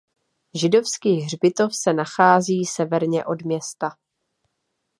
Židovský hřbitov se nachází severně od města.